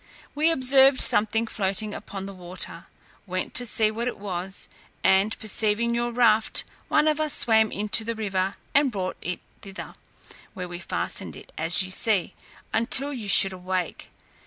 We observed something floating upon the water, went to see what it was, and, perceiving your raft, one of us swam into the river, and brought it thither, where we fastened it, as you see, until you should awake.